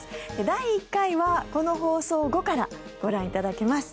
第１回は、この放送後からご覧いただけます。